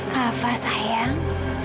kak afah sayang